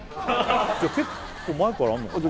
結構前からあんのかな？